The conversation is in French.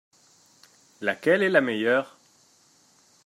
Laquelle est la meilleure ?